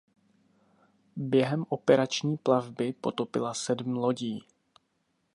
Během operační plavby potopila sedm lodí.